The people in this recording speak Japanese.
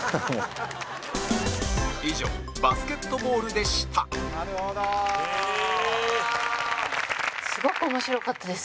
以上バスケットボールでしたすごく面白かったです。